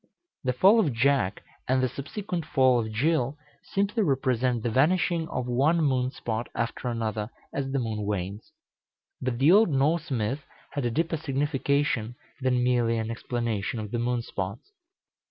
The fall of Jack, and the subsequent fall of Jill, simply represent the vanishing of one moon spot after another, as the moon wanes. But the old Norse myth had a deeper signification than merely an explanation of the moon spots.